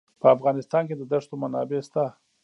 په افغانستان کې د دښتو منابع شته.